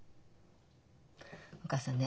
お母さんね